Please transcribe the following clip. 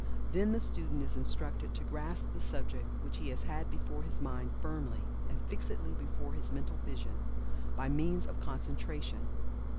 Then the student is instructed to grasp the subject which he has had before his mind firmly and fixedly before his mental vision, by means of concentration.